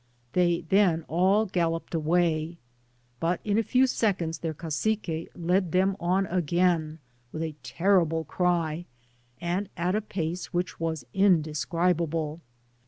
They then all galloped away ; but in a few seconds their Cacique led them on again with a terrible cry, and at a pace which was indescribable.